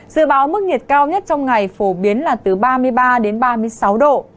dự báo mức nhiệt cao nhất trong ngày phổ biến là từ ba mươi ba đến ba mươi sáu độ